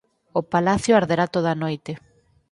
O palacio arderá toda a noite.